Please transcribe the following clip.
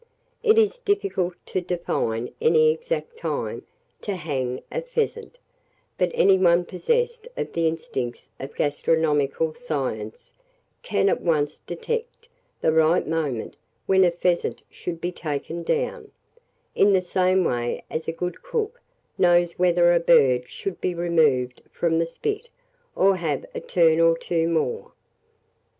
It is difficult to define any exact time to "hang" a pheasant; but any one possessed of the instincts of gastronomical science, can at once detect the right moment when a pheasant should be taken down, in the same way as a good cook knows whether a bird should be removed from the spit, or have a turn or two more.